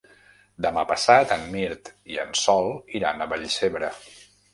Demà passat en Mirt i en Sol iran a Vallcebre.